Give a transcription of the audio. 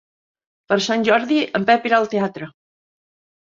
Per Sant Jordi en Pep irà al teatre.